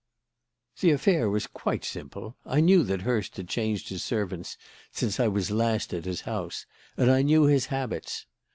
"The affair was quite simple. I knew that Hurst had changed his servants since I was last at his house, and I knew his habits.